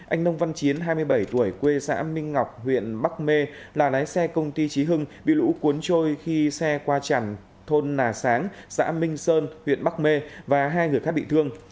anh nông văn chiến hai mươi bảy tuổi quê xã minh ngọc huyện bắc mê là lái xe công ty trí hưng bị lũ cuốn trôi khi xe qua chản thôn nà sáng xã minh sơn huyện bắc mê và hai người khác bị thương